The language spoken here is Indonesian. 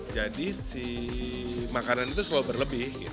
jadi makanan itu selalu berlebih